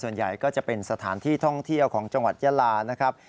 ส่วนใหญ่ก็จะเป็นสถานที่ท่องเที่ยวของจังหวัดยาลานะครับ